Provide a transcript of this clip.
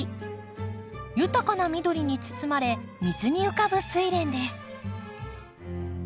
豊かな緑に包まれ水に浮かぶスイレンです。